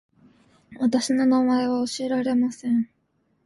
私の名前は教えられません